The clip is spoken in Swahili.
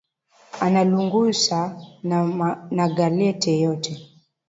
Analungusha ma galette yote